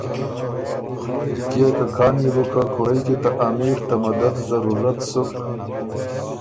کيې که کان يې بو که کُورئ کی ته امیر ته مدد ضرورت سُک